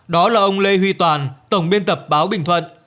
đó là ông lê huy toàn tổng biên tập báo bình thuận